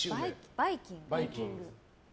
バイキング。